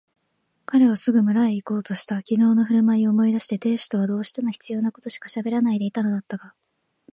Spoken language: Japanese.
彼はすぐ村へいこうとした。きのうのふるまいを思い出して亭主とはどうしても必要なことしかしゃべらないでいたのだったが、